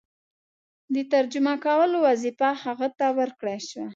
د ترجمه کولو وظیفه هغه ته ورکړه شوه.